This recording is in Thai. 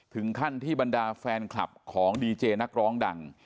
ถึงขั้นที่บรรดาแฟนคลับของดีเจนักร้องดัง